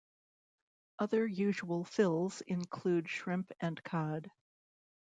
Other usual fills include shrimp and cod.